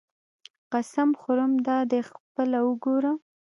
قسم خورم دادی خپله وګوره.